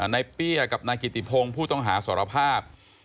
เปี้ยกับนายกิติพงศ์ผู้ต้องหาสารภาพ